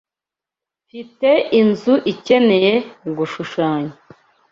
Mfite inzu ikeneye gushushanya.